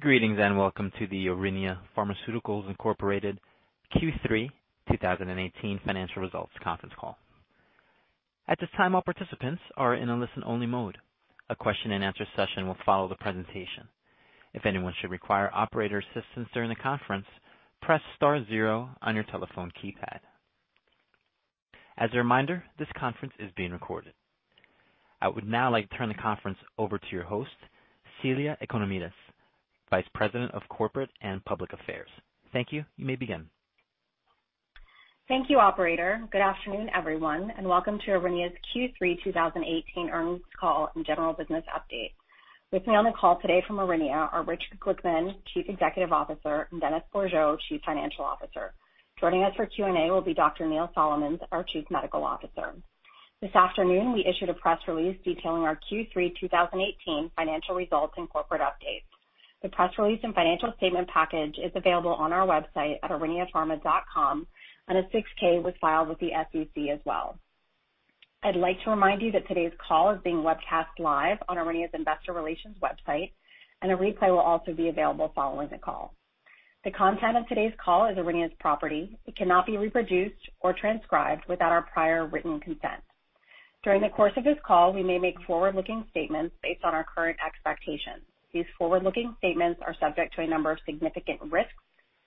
Greetings and welcome to the Aurinia Pharmaceuticals Inc. Q3 2018 financial results conference call. At this time, all participants are in a listen-only mode. A Q&A session will follow the presentation. If anyone should require operator assistance during the conference, press star zero on your telephone keypad. As a reminder, this conference is being recorded. I would now like to turn the conference over to your host, Celia Economides, Vice President of Corporate and Public Affairs. Thank you. You may begin. Thank you, operator. Good afternoon, everyone, and welcome to Aurinia's Q3 2018 earnings call and general business update. With me on the call today from Aurinia are Richard Glickman, Chief Executive Officer, and Dennis Bourgeault, Chief Financial Officer. Joining us for Q&A will be Dr. Neil Solomons, our Chief Medical Officer. This afternoon, we issued a press release detailing our Q3 2018 financial results and corporate updates. The press release and financial statement package is available on our website at auriniapharma.com, and a 6-K was filed with the SEC as well. I'd like to remind you that today's call is being webcast live on Aurinia's investor relations website, and a replay will also be available following the call. The content of today's call is Aurinia's property. It cannot be reproduced or transcribed without our prior written consent. During the course of this call, we may make forward-looking statements based on our current expectations. These forward-looking statements are subject to a number of significant risks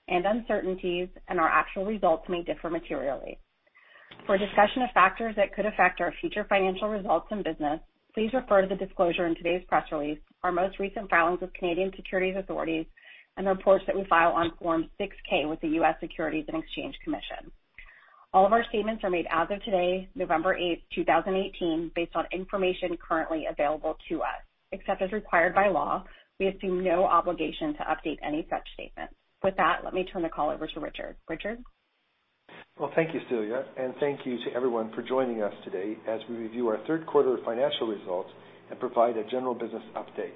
and uncertainties, and our actual results may differ materially. For a discussion of factors that could affect our future financial results and business, please refer to the disclosure in today's press release, our most recent filings with Canadian securities authorities, and the reports that we file on Form 6-K with the U.S. Securities and Exchange Commission. All of our statements are made as of today, November 8th, 2018, based on information currently available to us. Except as required by law, we assume no obligation to update any such statements. With that, let me turn the call over to Richard. Richard? Well, thank you, Celia, and thank you to everyone for joining us today as we review our third quarter financial results and provide a general business update.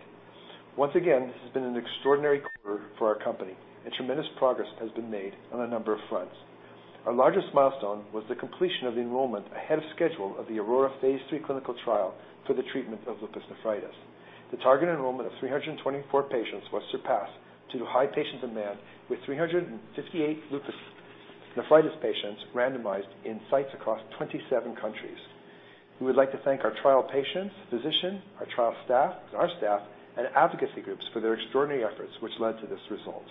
Once again, this has been an extraordinary quarter for our company, and tremendous progress has been made on a number of fronts. Our largest milestone was the completion of the enrollment ahead of schedule of the AURORA phase III clinical trial for the treatment of lupus nephritis. The target enrollment of 324 patients was surpassed due to high patient demand, with 358 lupus nephritis patients randomized in sites across 27 countries. We would like to thank our trial patients, physicians, our trial staff and our staff, and advocacy groups for their extraordinary efforts, which led to this result.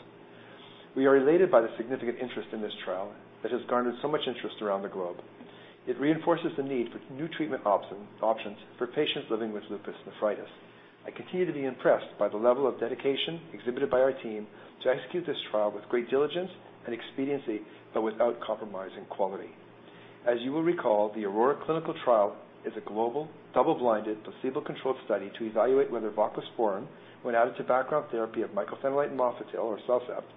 We are elated by the significant interest in this trial that has garnered so much interest around the globe. It reinforces the need for new treatment options for patients living with lupus nephritis. I continue to be impressed by the level of dedication exhibited by our team to execute this trial with great diligence and expediency, but without compromising quality. As you will recall, the AURORA clinical trial is a global, double-blinded, placebo-controlled study to evaluate whether voclosporin, when added to background therapy of mycophenolate mofetil or CellCept,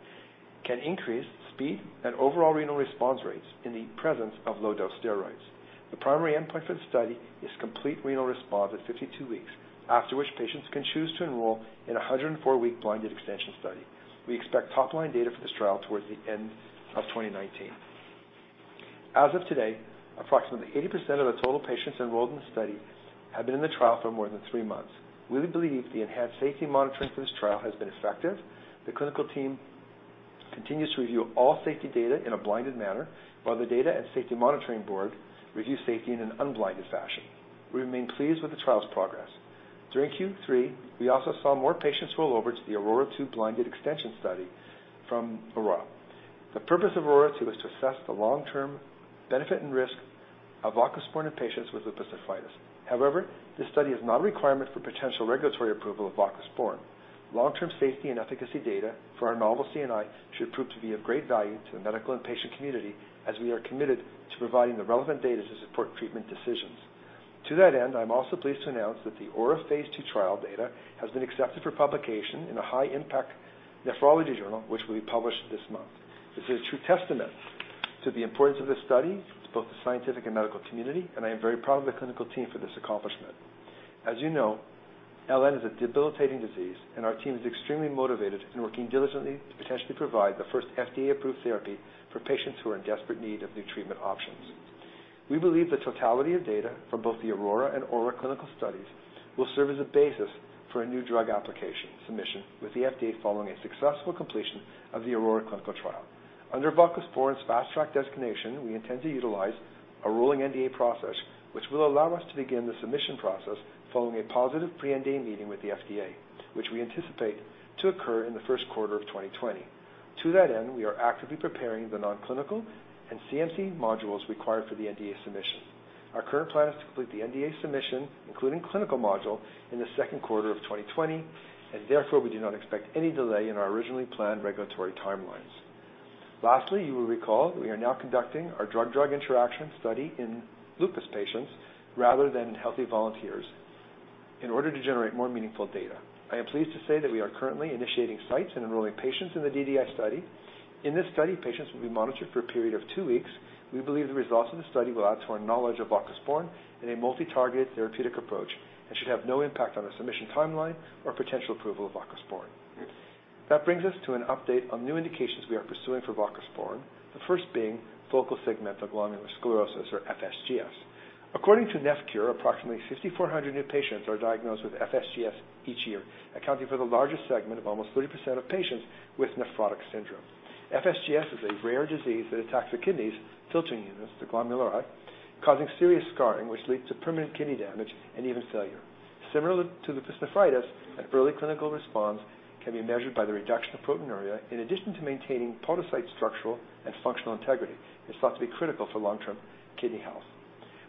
can increase speed and overall renal response rates in the presence of low-dose steroids. The primary endpoint for the study is complete renal response at 52 weeks, after which patients can choose to enroll in 104-week blinded extension study. We expect top-line data for this trial towards the end of 2019. As of today, approximately 80% of the total patients enrolled in the study have been in the trial for more than three months. We believe the enhanced safety monitoring for this trial has been effective. The clinical team continues to review all safety data in a blinded manner, while the data and safety monitoring board reviews safety in an unblinded fashion. We remain pleased with the trial's progress. During Q3, we also saw more patients roll over to the AURORA 2 blinded extension study from AURORA. The purpose of AURORA 2 is to assess the long-term benefit and risk of voclosporin in patients with lupus nephritis. However, this study is not a requirement for potential regulatory approval of voclosporin. Long-term safety and efficacy data for our novel CNI should prove to be of great value to the medical and patient community, as we are committed to providing the relevant data to support treatment decisions. To that end, I'm also pleased to announce that the AURA phase II trial data has been accepted for publication in a high-impact nephrology journal, which will be published this month. This is a true testament to the importance of this study to both the scientific and medical community, and I am very proud of the clinical team for this accomplishment. As you know, LN is a debilitating disease, and our team is extremely motivated and working diligently to potentially provide the first FDA-approved therapy for patients who are in desperate need of new treatment options. We believe the totality of data from both the AURORA and AURA clinical studies will serve as a basis for a new drug application submission with the FDA following a successful completion of the AURORA clinical trial. Under voclosporin's Fast Track designation, we intend to utilize a rolling NDA process, which will allow us to begin the submission process following a positive pre-NDA meeting with the FDA, which we anticipate to occur in the first quarter of 2020. To that end, we are actively preparing the nonclinical and CMC modules required for the NDA submission. Our current plan is to complete the NDA submission, including clinical module, in the second quarter of 2020, and therefore, we do not expect any delay in our originally planned regulatory timelines. Lastly, you will recall that we are now conducting our drug-drug interaction study in lupus patients rather than in healthy volunteers in order to generate more meaningful data. I am pleased to say that we are currently initiating sites and enrolling patients in the DDI study. In this study, patients will be monitored for a period of two weeks. We believe the results of the study will add to our knowledge of voclosporin in a multi-targeted therapeutic approach and should have no impact on our submission timeline or potential approval of voclosporin. That brings us to an update on new indications we are pursuing for voclosporin, the first being focal segmental glomerulosclerosis or FSGS. According to NephCure, approximately 6,400 new patients are diagnosed with FSGS each year, accounting for the largest segment of almost 30% of patients with nephrotic syndrome. FSGS is a rare disease that attacks the kidney's filtering units, the glomeruli, causing serious scarring, which leads to permanent kidney damage and even failure. Similar to lupus nephritis, an early clinical response can be measured by the reduction of proteinuria. In addition to maintaining podocyte structural and functional integrity, it's thought to be critical for long-term kidney health.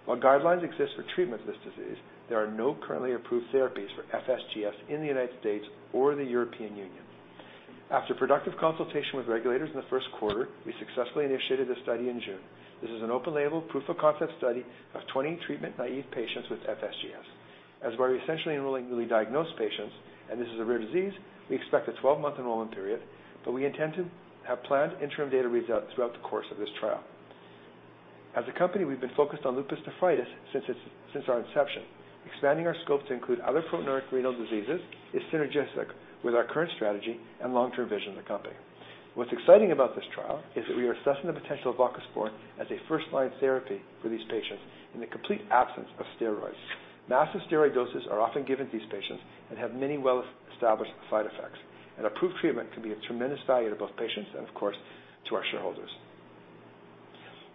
While guidelines exist for treatment of this disease, there are no currently approved therapies for FSGS in the U.S. or the European Union. After productive consultation with regulators in the first quarter, we successfully initiated the study in June. This is an open-label proof of concept study of 20 treatment-naïve patients with FSGS. As we're essentially enrolling newly diagnosed patients, and this is a rare disease, we expect a 12-month enrollment period, but we intend to have planned interim data readouts throughout the course of this trial. As a company, we've been focused on lupus nephritis since our inception. Expanding our scope to include other proteinuria renal diseases is synergistic with our current strategy and long-term vision of the company. What's exciting about this trial is that we are assessing the potential of voclosporin as a first-line therapy for these patients in the complete absence of steroids. Massive steroid doses are often given to these patients and have many well-established side effects. An approved treatment can be of tremendous value to both patients and, of course, to our shareholders.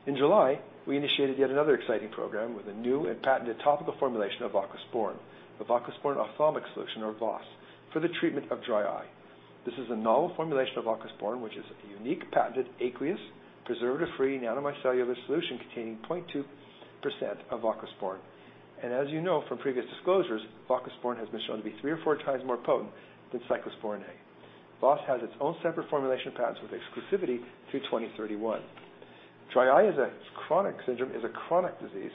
In July, we initiated yet another exciting program with a new and patented topical formulation of voclosporin, the voclosporin ophthalmic solution, or VOS, for the treatment of dry eye. This is a novel formulation of voclosporin, which is a unique patented aqueous preservative-free nanomicellar solution containing 0.2% of voclosporin. As you know from previous disclosures, voclosporin has been shown to be three or four times more potent than cyclosporine A. VOS has its own separate formulation patents with exclusivity through 2031. Dry eye is a chronic disease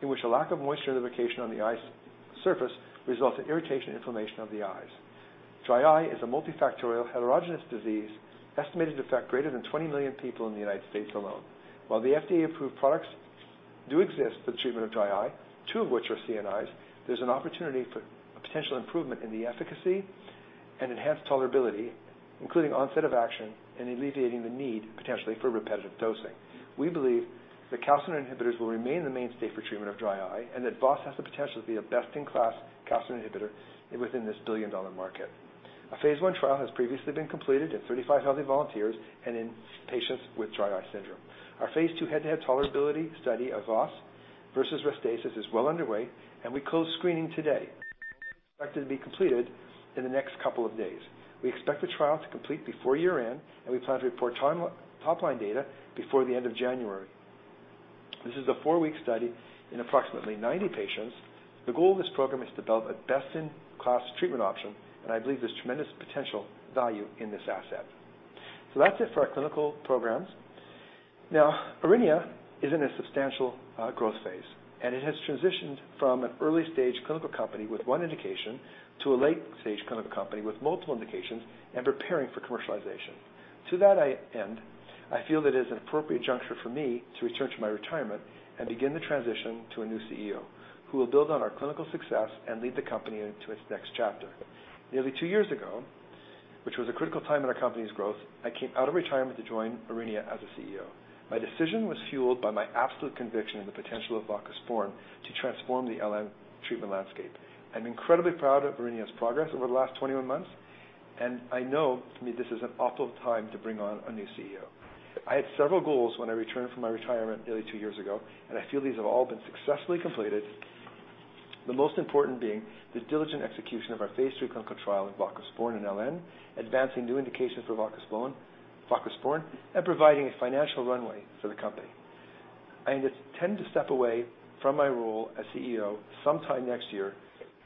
in which a lack of moisture and lubrication on the eye's surface results in irritation and inflammation of the eyes. Dry eye is a multifactorial heterogeneous disease estimated to affect greater than 20 million people in the U.S. alone. While the FDA-approved products do exist for the treatment of dry eye, two of which are CNIs, there's an opportunity for potential improvement in the efficacy and enhanced tolerability, including onset of action and alleviating the need, potentially, for repetitive dosing. We believe that calcineurin inhibitors will remain the mainstay for treatment of dry eye, and that VOS has the potential to be a best-in-class calcineurin inhibitor within this billion-dollar market. A phase I trial has previously been completed in 35 healthy volunteers and in patients with dry eye syndrome. Our phase II head-to-head tolerability study of VOS versus Restasis is well underway, we closed screening today and are expected to be completed in the next couple of days. We expect the trial to complete before year-end, and we plan to report top-line data before the end of January. This is a four-week study in approximately 90 patients. The goal of this program is to develop a best-in-class treatment option, and I believe there's tremendous potential value in this asset. That's it for our clinical programs. Aurinia is in a substantial growth phase, and it has transitioned from an early-stage clinical company with one indication to a late-stage clinical company with multiple indications and preparing for commercialization. To that end, I feel that it is an appropriate juncture for me to return to my retirement and begin the transition to a new CEO, who will build on our clinical success and lead the company into its next chapter. Nearly two years ago, which was a critical time in our company's growth, I came out of retirement to join Aurinia as a CEO. My decision was fueled by my absolute conviction in the potential of voclosporin to transform the LN treatment landscape. I'm incredibly proud of Aurinia's progress over the last 21 months, and I know for me, this is an optimal time to bring on a new CEO. I had several goals when I returned from my retirement nearly two years ago, and I feel these have all been successfully completed, the most important being the diligent execution of our phase III clinical trial in voclosporin and LN, advancing new indications for voclosporin, and providing a financial runway for the company. I intend to step away from my role as CEO sometime next year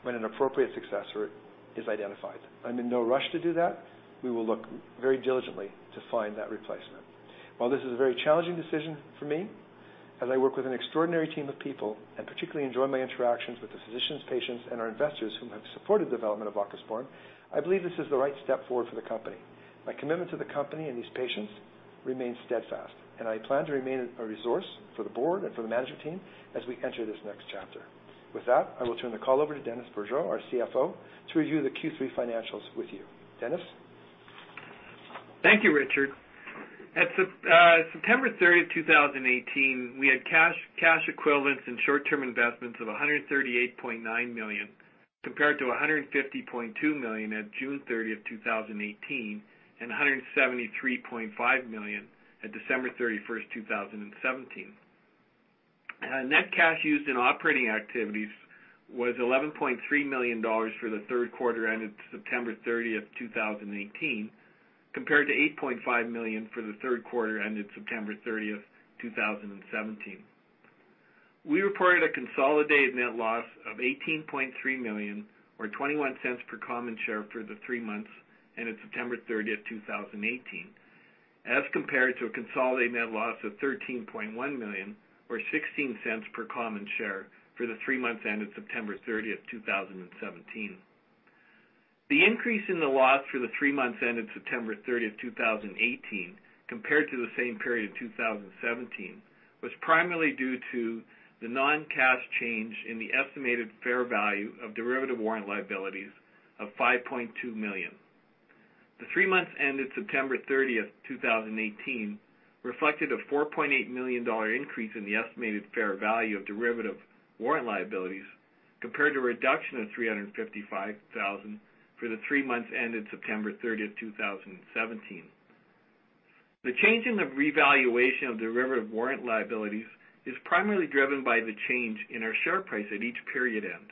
when an appropriate successor is identified. I'm in no rush to do that. We will look very diligently to find that replacement. While this is a very challenging decision for me, as I work with an extraordinary team of people and particularly enjoy my interactions with the physicians, patients, and our investors who have supported the development of voclosporin, I believe this is the right step forward for the company. My commitment to the company and these patients remains steadfast, and I plan to remain a resource for the board and for the management team as we enter this next chapter. With that, I will turn the call over to Dennis Bourgeault, our CFO, to review the Q3 financials with you. Dennis? Thank you, Richard. At September 30th, 2018, we had cash equivalents and short-term investments of 138.9 million, compared to 150.2 million at June 30th, 2018, and 173.5 million at December 31st, 2017. Net cash used in operating activities was 11.3 million dollars for the third quarter ended September 30th, 2018, compared to 8.5 million for the third quarter ended September 30th, 2017. We reported a consolidated net loss of 18.3 million, or 0.21 per common share for the three months ended September 30th, 2018, as compared to a consolidated net loss of 13.1 million or 0.16 per common share for the three months ended September 30th, 2017. The increase in the loss for the three months ended September 30th, 2018, compared to the same period in 2017, was primarily due to the non-cash change in the estimated fair value of derivative warrant liabilities of 5.2 million. The three months ended September 30th, 2018, reflected a 4.8 million dollar increase in the estimated fair value of derivative warrant liabilities compared to a reduction of 355,000 for the three months ended September 30th, 2017. The change in the revaluation of derivative warrant liabilities is primarily driven by the change in our share price at each period end.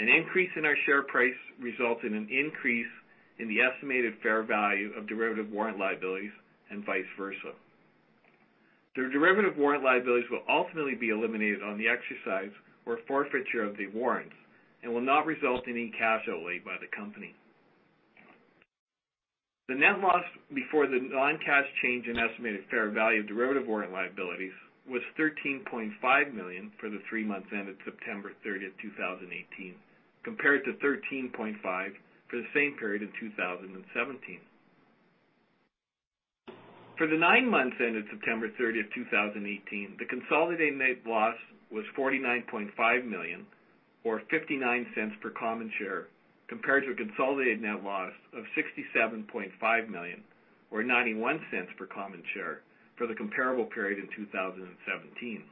An increase in our share price results in an increase in the estimated fair value of derivative warrant liabilities and vice versa. The derivative warrant liabilities will ultimately be eliminated on the exercise or forfeiture of the warrants and will not result in any cash outlay by the company. The net loss before the non-cash change in estimated fair value of derivative warrant liabilities was 13.5 million for the three months ended September 30th, 2018, compared to 13.5 for the same period in 2017. For the nine months ended September 30th, 2018, the consolidated net loss was 49.5 million, or 0.59 per common share, compared to a consolidated net loss of 67.5 million, or 0.91 per common share, for the comparable period in 2017.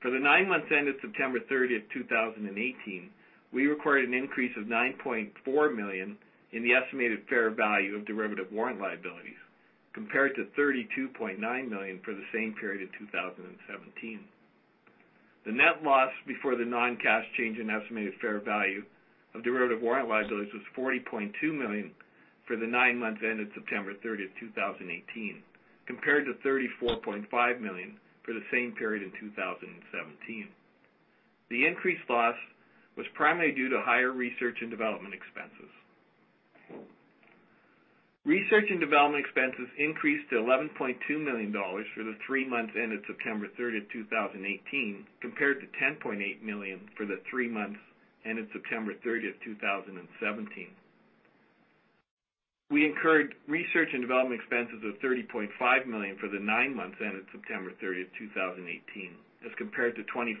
For the nine months ended September 30th, 2018, we recorded an increase of 9.4 million in the estimated fair value of derivative warrant liabilities compared to 32.9 million for the same period in 2017. The net loss before the non-cash change in estimated fair value of derivative warrant liabilities was 40.2 million for the nine months ended September 30th, 2018, compared to 34.5 million for the same period in 2017. The increased loss was primarily due to higher research and development expenses. Research and development expenses increased to 11.2 million dollars for the three months ended September 30th, 2018, compared to 10.8 million for the three months ended September 30th, 2017. We incurred research and development expenses of 30.5 million for the nine months ended September 30th, 2018 as compared to 25.2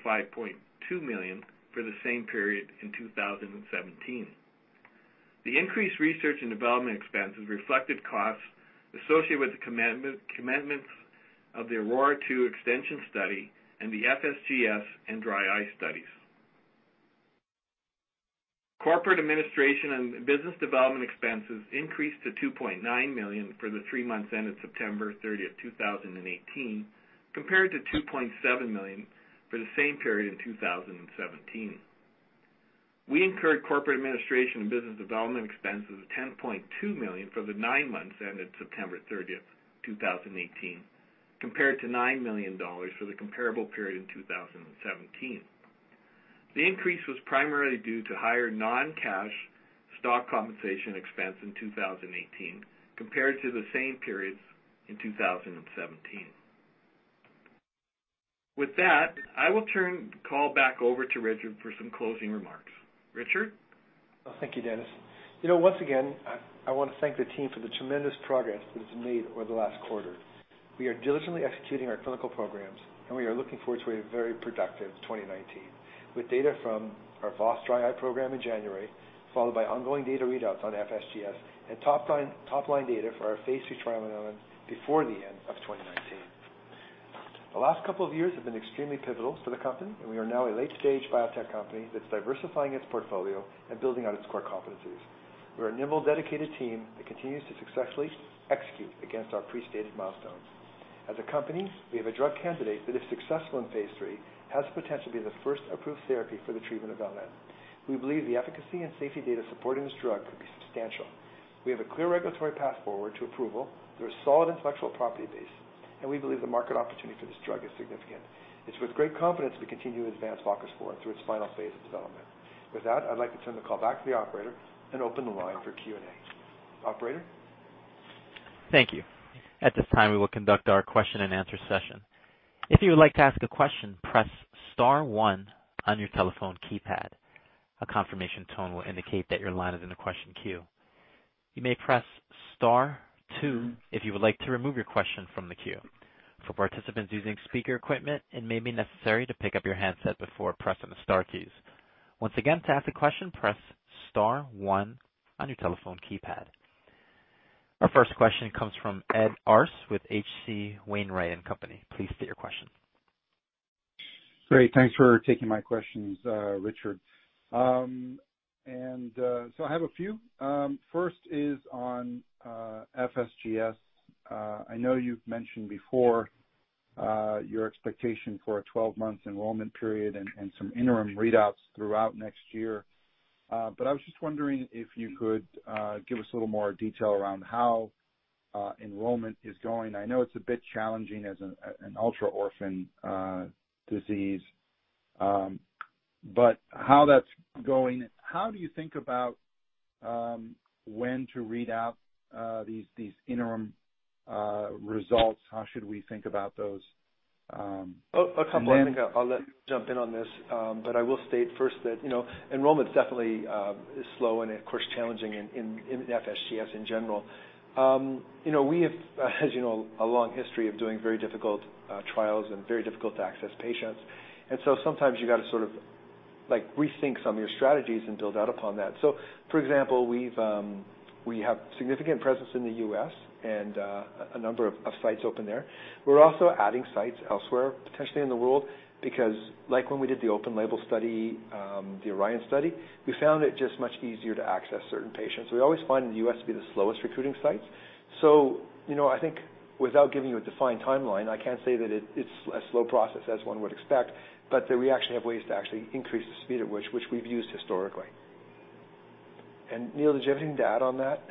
million for the same period in 2017. The increased research and development expenses reflected costs associated with the commencement of the AURORA 2 extension study and the FSGS and dry eye studies. Corporate administration and business development expenses increased to 2.9 million for the three months ended September 30th, 2018, compared to 2.7 million for the same period in 2017. We incurred corporate administration and business development expenses of 10.2 million for the nine months ended September 30th, 2018, compared to 9 million dollars for the comparable period in 2017. The increase was primarily due to higher non-cash stock compensation expense in 2018 compared to the same periods in 2017. With that, I will turn the call back over to Richard for some closing remarks. Richard? Thank you, Dennis. Once again, I want to thank the team for the tremendous progress that has been made over the last quarter. We are diligently executing our clinical programs. We are looking forward to a very productive 2019, with data from our VOS dry eye program in January, followed by ongoing data readouts on FSGS and top-line data for our phase III trial in LN before the end of 2019. The last couple of years have been extremely pivotal for the company. We are now a late-stage biotech company that's diversifying its portfolio and building out its core competencies. We're a nimble, dedicated team that continues to successfully execute against our pre-stated milestones. As a company, we have a drug candidate that, if successful in phase III, has the potential to be the first approved therapy for the treatment of LN. We believe the efficacy and safety data supporting this drug could be substantial. We have a clear regulatory path forward to approval through a solid intellectual property base. We believe the market opportunity for this drug is significant. It's with great confidence we continue to advance voclosporin through its final phase of development. With that, I'd like to turn the call back to the operator and open the line for Q&A. Operator? Thank you. At this time, we will conduct our Q&A session. If you would like to ask a question, press star one on your telephone keypad. A confirmation tone will indicate that your line is in the question queue. You may press star two if you would like to remove your question from the queue. For participants using speaker equipment, it may be necessary to pick up your handset before pressing the star keys. Once again, to ask a question, press star one on your telephone keypad. Our first question comes from Ed Arce with H.C. Wainwright & Company. Please state your question. Great. Thanks for taking my questions, Richard. I have a few. First is on FSGS. I know you've mentioned before your expectation for a 12-month enrollment period and some interim readouts throughout next year. I was just wondering if you could give us a little more detail around how enrollment is going. I know it's a bit challenging as an ultra-orphan disease. How that's going, how do you think about when to read out these interim results? How should we think about those? A couple of things. I'll let jump in on this, but I will state first that enrollment definitely is slow and, of course, challenging in FSGS in general. We have, as you know, a long history of doing very difficult trials and very difficult-to-access patients. Sometimes you got to sort of like rethink some of your strategies and build out upon that. For example, we have significant presence in the U.S. and a number of sites open there. We're also adding sites elsewhere, potentially in the world, because like when we did the open label study, the AURORA study, we found it just much easier to access certain patients. We always find the U.S. to be the slowest recruiting sites. I think without giving you a defined timeline, I can't say that it's a slow process as one would expect, but that we actually have ways to actually increase the speed at which we've used historically. Neil, did you have anything to add on that?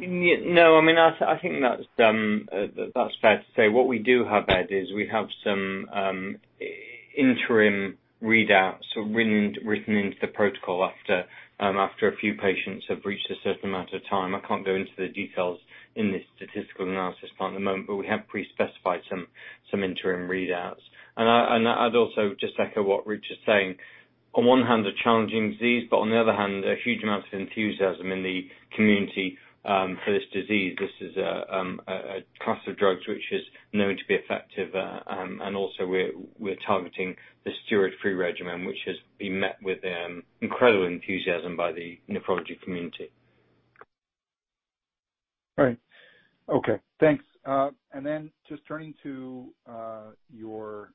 No. I think that's fair to say. What we do have, Ed, is we have some interim readouts written into the protocol after a few patients have reached a certain amount of time. I can't go into the details in this statistical analysis part at the moment, but we have pre-specified some interim readouts. I'd also just echo what Rich is saying. On one hand, a challenging disease, but on the other hand, a huge amount of enthusiasm in the community for this disease. This is a class of drugs which is known to be effective. Also we're targeting the steroid-free regimen, which has been met with incredible enthusiasm by the nephrology community. Right. Okay, thanks. Then just turning to your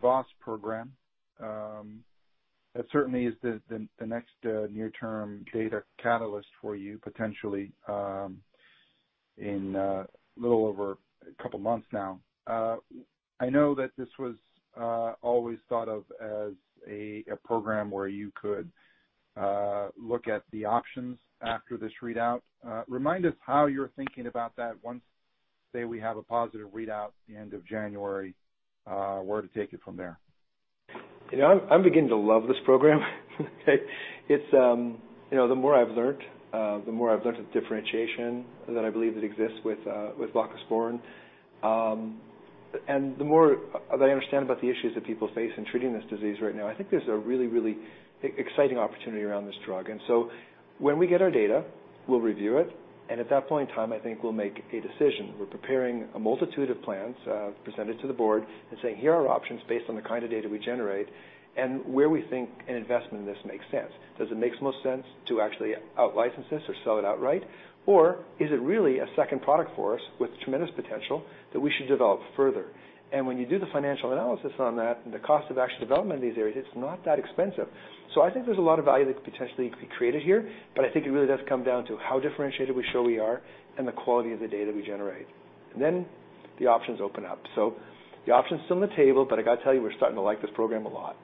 VOS program. That certainly is the next near-term data catalyst for you potentially, in a little over a couple of months now. I know that this was always thought of as a program where you could look at the options after this readout. Remind us how you're thinking about that once, say, we have a positive readout at the end of January, where to take it from there. I'm beginning to love this program. The more I've learned, the more I've learned the differentiation that I believe that exists with voclosporin. The more that I understand about the issues that people face in treating this disease right now, I think there's a really, really exciting opportunity around this drug. When we get our data, we'll review it. At that point in time, I think we'll make a decision. We're preparing a multitude of plans, present it to the board and say, "Here are our options based on the kind of data we generate and where we think an investment in this makes sense." Does it make the most sense to actually out-license this or sell it outright? Is it really a second product for us with tremendous potential that we should develop further? When you do the financial analysis on that and the cost of actually developing these areas, it's not that expensive. I think there's a lot of value that could potentially be created here, but I think it really does come down to how differentiated we show we are and the quality of the data we generate. Then the options open up. The option's still on the table, but I got to tell you, we're starting to like this program a lot.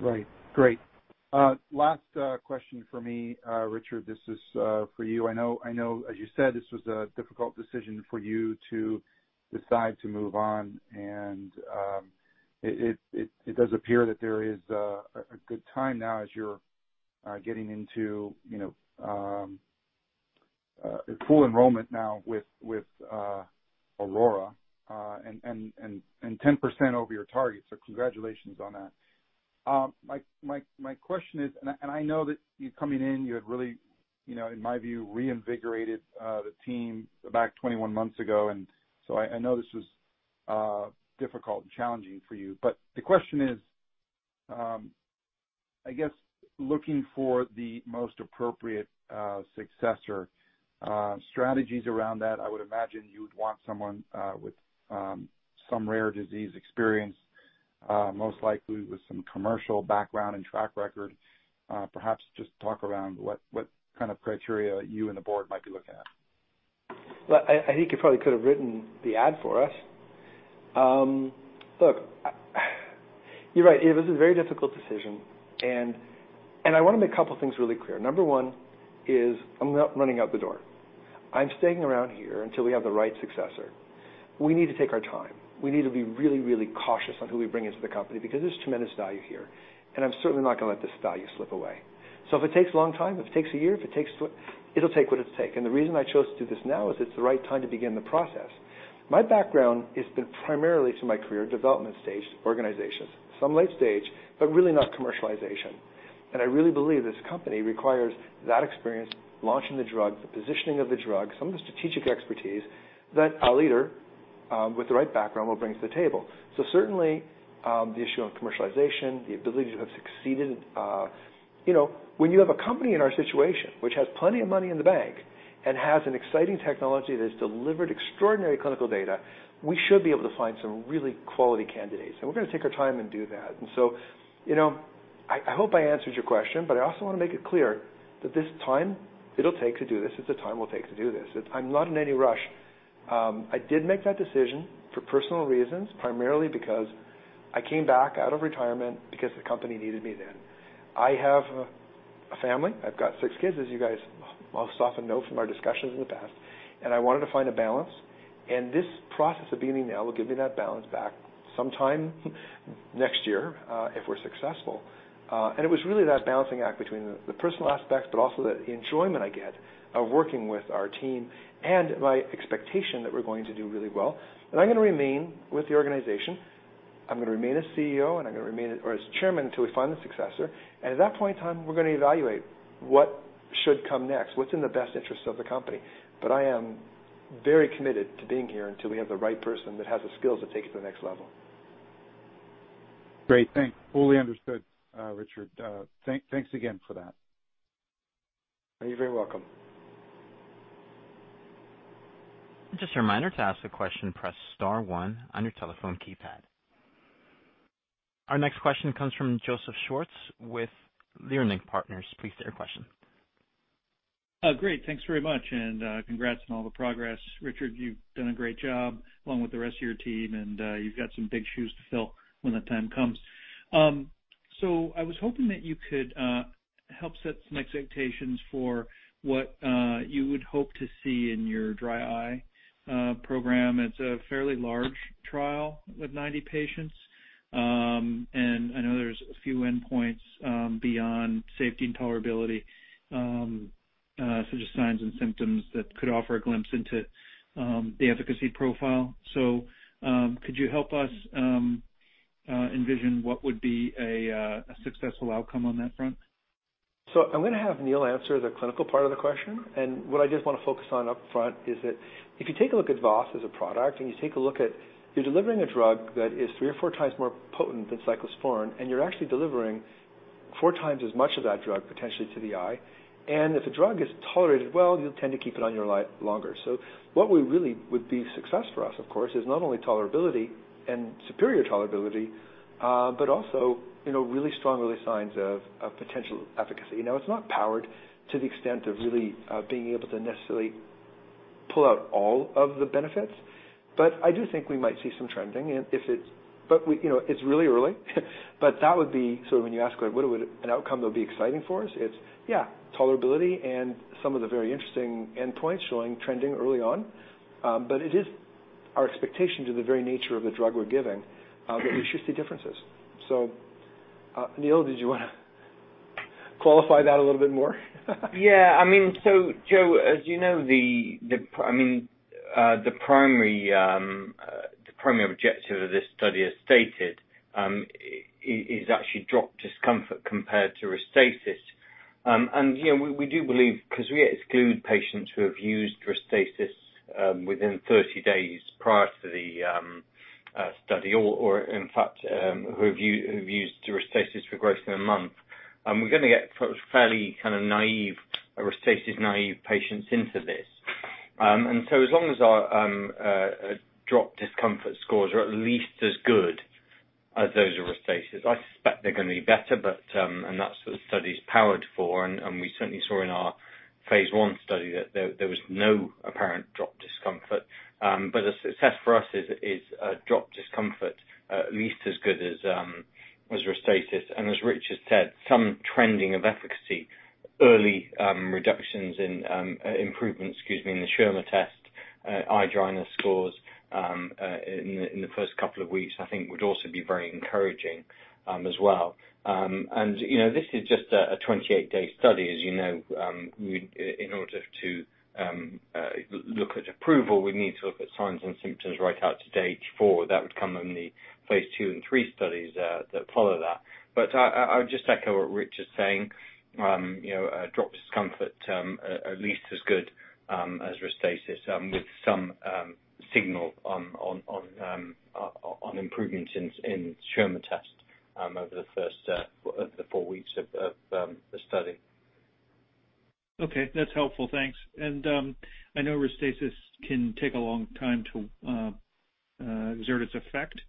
Right. Great. Last question from me. Richard, this is for you. I know as you said, this was a difficult decision for you to decide to move on. It does appear that there is a good time now as you're getting into full enrollment now with AURORA, and 10% over your targets, so congratulations on that. My question is, I know that you coming in, you had really, in my view, reinvigorated the team about 21 months ago. I know this was difficult and challenging for you. The question is, I guess looking for the most appropriate successor, strategies around that, I would imagine you would want someone with some rare disease experience, most likely with some commercial background and track record. Perhaps just talk around what kind of criteria you and the board might be looking at. Well, I think you probably could have written the ad for us. Look, you're right. It was a very difficult decision. I want to make a couple of things really clear. Number one is I'm not running out the door. I'm staying around here until we have the right successor. We need to take our time. We need to be really, really cautious on who we bring into the company because there's tremendous value here, and I'm certainly not going to let this value slip away. If it takes a long time, if it takes a year, it'll take what it'll take. The reason I chose to do this now is it's the right time to begin the process. My background has been primarily to my career, development stage organizations. Some late stage, but really not commercialization. I really believe this company requires that experience launching the drug, the positioning of the drug, some of the strategic expertise that a leader with the right background will bring to the table. Certainly, the issue of commercialization, the ability to have succeeded. When you have a company in our situation, which has plenty of money in the bank and has an exciting technology that has delivered extraordinary clinical data, we should be able to find some really quality candidates. We're going to take our time and do that. I hope I answered your question, but I also want to make it clear that this time it'll take to do this is the time it will take to do this. I'm not in any rush. I did make that decision for personal reasons, primarily because I came back out of retirement because the company needed me then. I have a family. I've got six kids, as you guys most often know from our discussions in the past, and I wanted to find a balance. This process of beginning now will give me that balance back sometime next year, if we're successful. It was really that balancing act between the personal aspects, but also the enjoyment I get of working with our team and my expectation that we're going to do really well. I'm going to remain with the organization. I'm going to remain as CEO, and I'm going to remain as Chairman until we find the successor. At that point in time, we're going to evaluate what should come next, what's in the best interest of the company. I am very committed to being here until we have the right person that has the skills to take it to the next level. Great. Thanks. Fully understood, Richard. Thanks again for that. You're very welcome. Just a reminder, to ask a question, press star one on your telephone keypad. Our next question comes from Joseph Schwartz with Leerink Partners. Please state your question. Great. Thanks very much, and congrats on all the progress. Richard, you've done a great job along with the rest of your team, and you've got some big shoes to fill when that time comes. I was hoping that you could help set some expectations for what you would hope to see in your dry eye program. It's a fairly large trial with 90 patients. I know there's a few endpoints beyond safety and tolerability, such as signs and symptoms that could offer a glimpse into the efficacy profile. Could you help us envision what would be a successful outcome on that front? I'm going to have Neil answer the clinical part of the question. What I just want to focus on up front is that if you take a look at VOS as a product, and you take a look at, you're delivering a drug that is three or four times more potent than cyclosporine, and you're actually delivering four times as much of that drug, potentially, to the eye. If the drug is tolerated well, you'll tend to keep it on your lot longer. What would really would be success for us, of course, is not only tolerability and superior tolerability, but also really strong early signs of potential efficacy. It's not powered to the extent of really being able to necessarily pull out all of the benefits, but I do think we might see some trending. It's really early, that would be, when you ask what an outcome that would be exciting for us, it's, yeah, tolerability and some of the very interesting endpoints showing trending early on. It is our expectation to the very nature of the drug we're giving that we should see differences. Neil, did you want to qualify that a little bit more? Yeah. Joe, as you know, the primary objective of this study, as stated, is actually dropped discomfort compared to Restasis. We do believe, because we exclude patients who have used Restasis within 30 days prior to the study or, in fact, who have used Restasis for greater than a month, we're going to get fairly Restasis naive patients into this. As long as our dropped discomfort scores are at least as good as those of Restasis, I suspect they're going to be better, and that's what the study's powered for. We certainly saw in our phase I study that there was no apparent dropped discomfort. The success for us is dropped discomfort at least as good as Restasis. As Richard said, some trending of efficacy, early reductions in, improvement, excuse me, in the Schirmer test, eye dryness scores in the first couple of weeks, I think would also be very encouraging as well. This is just a 28-day study, as you know. In order to look at approval, we'd need to look at signs and symptoms right out to day four. That would come in the phase II and III studies that follow that. I would just echo what Richard's saying. Dropped discomfort at least as good as Restasis with some signal on improvement in Schirmer test over the four weeks of the study. Okay. That's helpful. Thanks. I know Restasis can take a long time to exert its effect.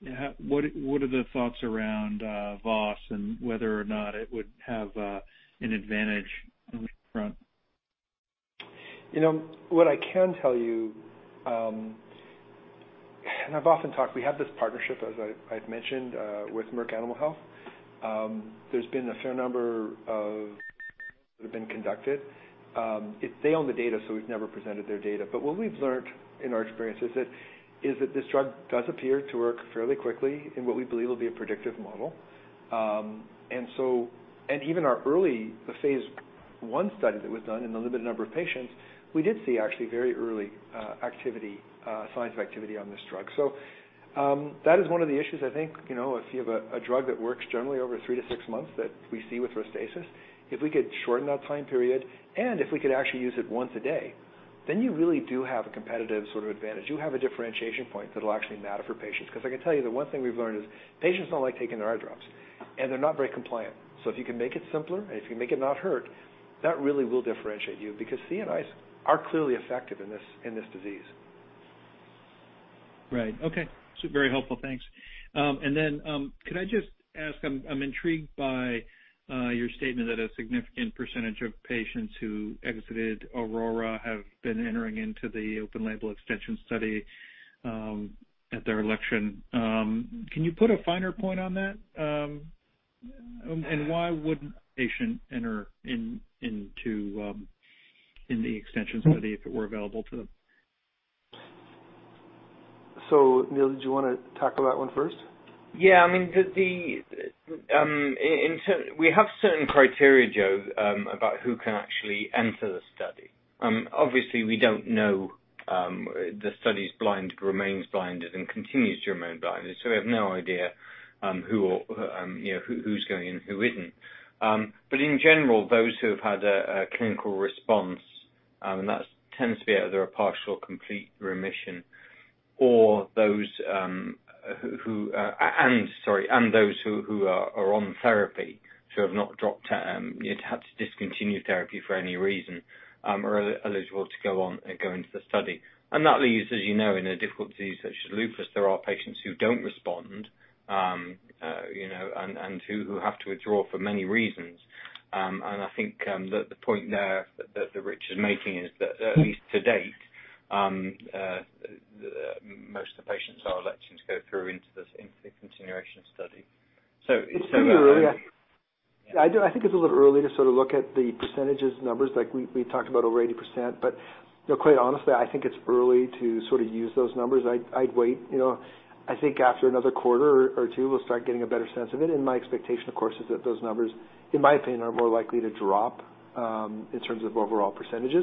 What are the thoughts around VOS and whether or not it would have an advantage on that front? What I can tell you, I've often talked, we have this partnership, as I've mentioned, with Merck Animal Health. There's been a fair number of that have been conducted. They own the data, we've never presented their data, what we've learned in our experience is that this drug does appear to work fairly quickly in what we believe will be a predictive model. Even our early, the phase I study that was done in a limited number of patients, we did see, actually, very early signs of activity on this drug. That is one of the issues, I think, if you have a drug that works generally over three to six months that we see with Restasis, if we could shorten that time period, if we could actually use it once a day, then you really do have a competitive advantage. You have a differentiation point that'll actually matter for patients. I can tell you, the one thing we've learned is patients don't like taking their eye drops, and they're not very compliant. If you can make it simpler, and if you can make it not hurt, that really will differentiate you, because CNIs are clearly effective in this disease. Right. Okay. Very helpful. Thanks. Could I just ask, I'm intrigued by your statement that a significant percentage of patients who exited AURORA have been entering into the open label extension study at their election. Can you put a finer point on that? Why wouldn't a patient enter in the extension study if it were available to them? Neil, did you want to tackle that one first? Yeah. We have certain criteria, Joe, about who can actually enter the study. Obviously, the study's blind, remains blinded, and continues to remain blinded. We have no idea who's going in, who isn't. In general, those who have had a clinical response, and that tends to be either a partial or complete remission, and those who are on therapy, so have not had to discontinue therapy for any reason, are eligible to go on and go into the study. That leaves, as you know, in a difficulty such as lupus, there are patients who don't respond, and who have to withdraw for many reasons. I think that the point there that Richard's making is that at least to date, most of the patients are electing to go through into the Continuation Study. It's early. I think it's a little early to look at the percentages numbers, like we talked about over 80%, but quite honestly, I think it's early to use those numbers. I'd wait. I think after another quarter or two, we'll start getting a better sense of it. My expectation, of course, is that those numbers, in my opinion, are more likely to drop, in terms of overall percentages.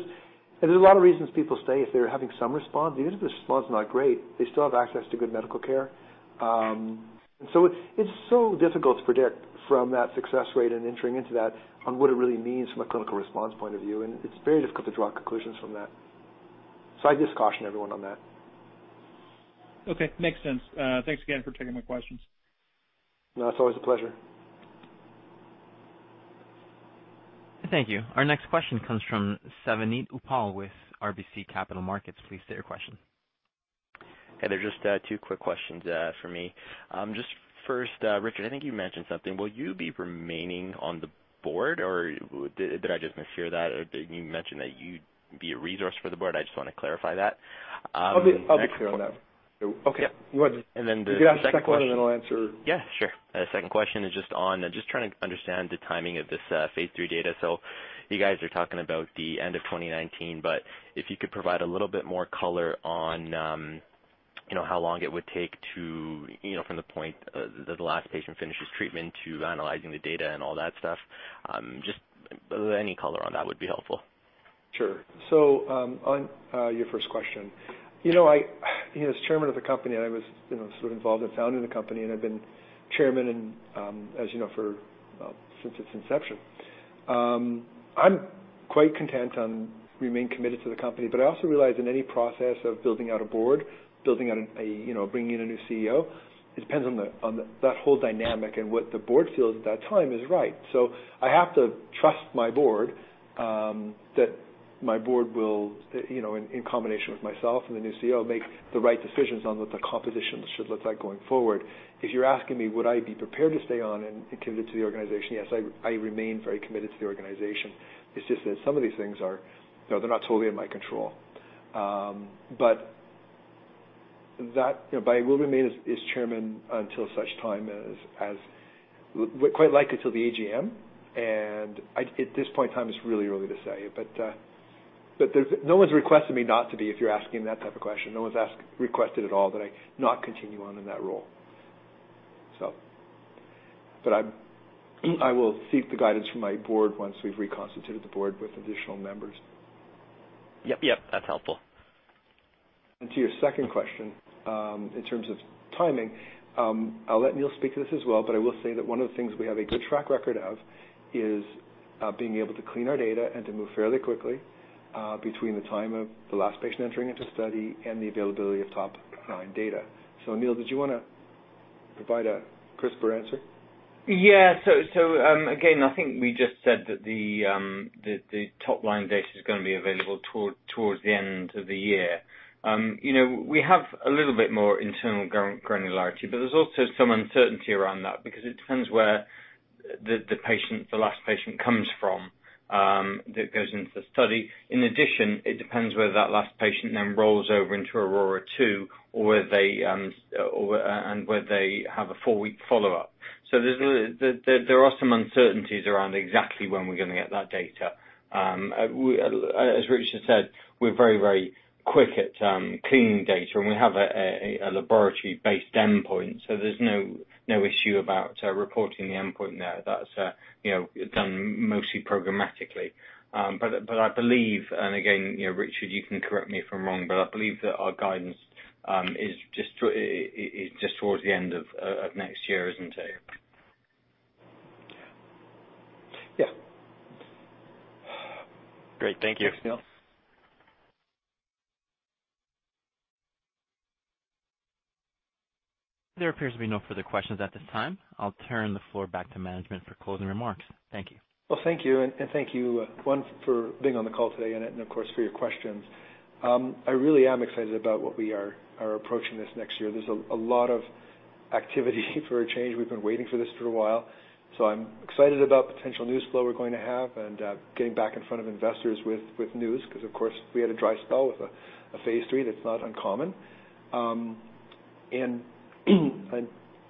There's a lot of reasons people stay if they're having some response. Even if the response is not great, they still have access to good medical care. It's so difficult to predict from that success rate and entering into that on what it really means from a clinical response point of view, and it's very difficult to draw conclusions from that. I'd just caution everyone on that. Okay. Makes sense. Thanks again for taking my questions. No, it's always a pleasure. Thank you. Our next question comes from Savneet Uppal with RBC Capital Markets. Please state your question. Hey, there's just two quick questions for me. Just first, Richard, I think you mentioned something. Will you be remaining on the board, or did I just mishear that? You mentioned that you'd be a resource for the board. I just want to clarify that. I'll be clear on that. Okay. Go ahead. The second question- If you could ask the second question, and I'll answer. Yeah, sure. The second question is just trying to understand the timing of this phase III data. You guys are talking about the end of 2019, if you could provide a little bit more color on how long it would take from the point that the last patient finishes treatment to analyzing the data and all that stuff. Just any color on that would be helpful. Sure. On your first question. As chairman of the company, I was sort of involved in founding the company, I've been chairman, as you know, since its inception. I'm quite content on remaining committed to the company, I also realize in any process of building out a board, bringing in a new CEO, it depends on that whole dynamic and what the board feels at that time is right. I have to trust my board, that my board will, in combination with myself and the new CEO, make the right decisions on what the composition should look like going forward. If you're asking me, would I be prepared to stay on and committed to the organization, yes, I remain very committed to the organization. It's just that some of these things are not totally in my control. I will remain as chairman until such time as, quite likely till the AGM. At this point in time, it's really early to say. No one's requested me not to be, if you're asking that type of question. No one's requested at all that I not continue on in that role. I will seek the guidance from my board once we've reconstituted the board with additional members. Yep. That's helpful. To your second question, in terms of timing, I'll let Neil speak to this as well, but I will say that one of the things we have a good track record of is being able to clean our data and to move fairly quickly, between the time of the last patient entering into study and the availability of top-line data. Neil, did you want to provide a crisper answer? Yeah. Again, I think we just said that the top-line data is going to be available towards the end of the year. We have a little bit more internal granularity, but there's also some uncertainty around that because it depends where the last patient comes from, that goes into the study. In addition, it depends whether that last patient then rolls over into AURORA 2 and whether they have a four-week follow-up. There are some uncertainties around exactly when we're going to get that data. As Richard said, we're very quick at cleaning data, and we have a laboratory-based endpoint, so there's no issue about reporting the endpoint there. That's done mostly programmatically. I believe, and again, Richard, you can correct me if I'm wrong, but I believe that our guidance is just towards the end of next year, isn't it? Yeah. Great. Thank you. Thanks, Neil. There appears to be no further questions at this time. I'll turn the floor back to management for closing remarks. Thank you. Thank you, and thank you, one, for being on the call today, and of course, for your questions. I really am excited about what we are approaching this next year. There's a lot of activity for a change. We've been waiting for this for a while, so I'm excited about potential news flow we're going to have and getting back in front of investors with news, because of course, we had a dry spell with a phase III. That's not uncommon. I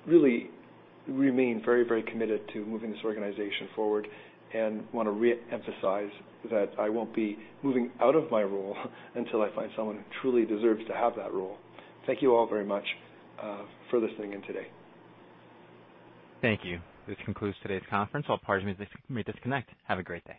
really remain very committed to moving this organization forward and want to re-emphasize that I won't be moving out of my role until I find someone who truly deserves to have that role. Thank you all very much for listening in today. Thank you. This concludes today's conference. All parties may disconnect. Have a great day.